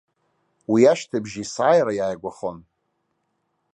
Уи ашьҭыбжь есааира иааигәахон.